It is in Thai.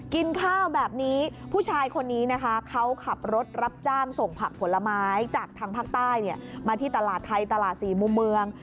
กินข้าวแบบนี้ผู้ชายคนนี้นะคะเขาขับรถรับจ้างส่งผักผลไม้จากทางภาคใต้มาที่ตลาดไทยตลาดสี่มุมเมือง